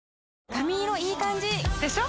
髪色いい感じ！でしょ？